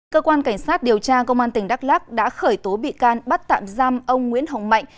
cơ quan cảnh sát điều tra công an tỉnh đắk lắc đã khởi tố bị can bắt tạm giam ông nguyễn hồng mạnh